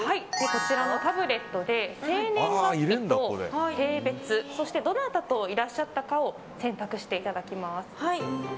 こちらのタブレットで生年月日と性別どなたといらっしゃったかを選択していただきます。